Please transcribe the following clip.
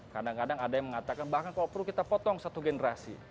kadang kadang ada yang mengatakan bahkan kalau perlu kita potong satu generasi